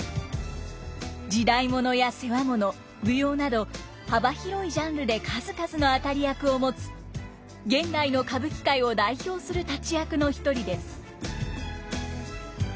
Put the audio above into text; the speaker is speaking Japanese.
時代物や世話物舞踊など幅広いジャンルで数々の当たり役を持つ現代の歌舞伎界を代表する立役の一人です。